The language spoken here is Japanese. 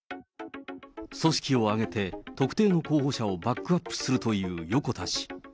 組織を挙げて特定の候補者をバックアップするという横田氏。